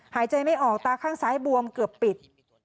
หายใจไม่ออกตาข้างซ้ายบวมเกือบปิด